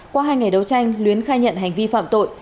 qua hai ngày đấu tranh luyến khai nhận hành vi phạm tội